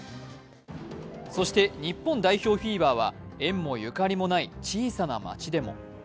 そして日本代表フィーバーは縁もゆかりもない小さな町でも。